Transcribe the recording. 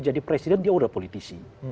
jadi presiden dia udah politisi